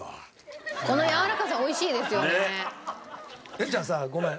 哲ちゃんさごめん。